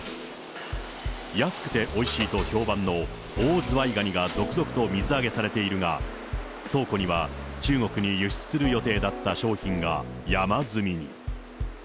安くておいしいと評判のオオズワイガニが続々と水揚げされているが、倉庫には、中国に輸出する予定だった商品が山積みに。